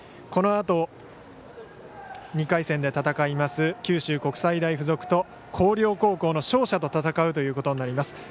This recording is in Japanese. このあと２回戦で戦います九州国際大付属と広陵高校の勝者と戦うということになります。